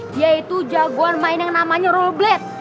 dia itu jagoan main yang namanya rollblade